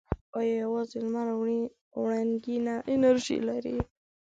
آیا یوازې لمر وړنګینه انرژي لري؟